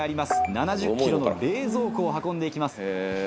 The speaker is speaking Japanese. ７０ｋｇの冷蔵庫を運んで行きます。